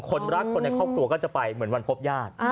คนรักคนในครอบครัวก็จะไปเหมือนวันพบญาติ